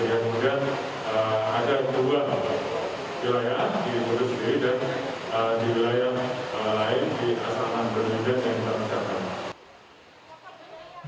jadi kemudian ada dua wilayah di kudus sendiri dan di wilayah lain di asrama haji donohu yang kita persiapkan